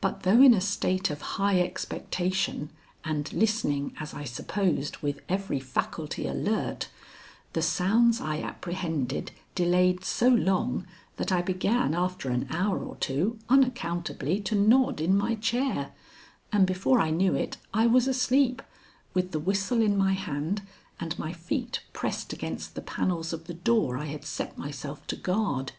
But though in a state of high expectation, and listening, as I supposed, with every faculty alert, the sounds I apprehended delayed so long that I began after an hour or two unaccountably to nod in my chair, and before I knew it I was asleep, with the whistle in my hand and my feet pressed against the panels of the door I had set myself to guard.